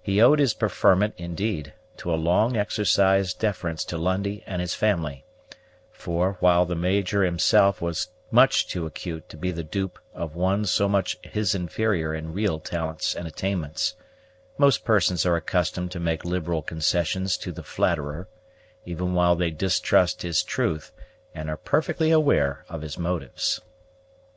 He owed his preferment, indeed, to a long exercised deference to Lundie and his family; for, while the Major himself was much too acute to be the dupe of one so much his inferior in real talents and attainments, most persons are accustomed to make liberal concessions to the flatterer, even while they distrust his truth and are perfectly aware of his motives.